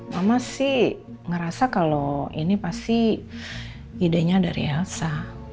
mama sih ngerasa kalau ini pasti idenya dari elsa